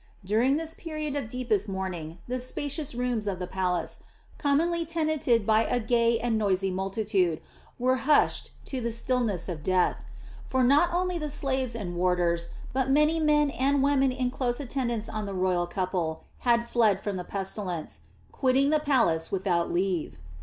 During this period of the deepest mourning the spacious rooms of the palace, commonly tenanted by a gay and noisy multitude, were hushed to the stillness of death; for not only the slaves and warders, but many men and women in close attendance on the royal couple had fled from the pestilence, quitting the palace without leave.